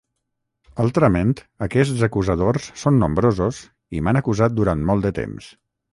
Altrament aquests acusadors són nombrosos i m'han acusat durant molt de temps.